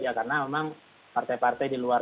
ya karena memang partai partai di luar